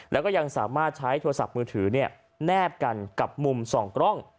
แล้วก็ยังสามารถใช้โทรศัพท์มือถือแนบกันกับมุม๒กล้อง